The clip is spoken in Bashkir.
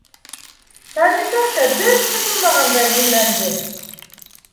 Санитарка бер ни булмағандай һөйләнде.